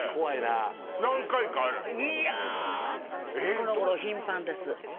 このごろ頻繁です。